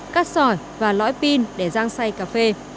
cát sỏi và lõi pin để rang xay cà phê